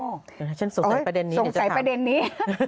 เดี๋ยวฉันสงสัยประเด็นนี้สงสัยประเด็นนี้